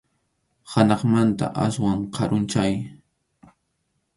Hanaqmanta aswan karunchay.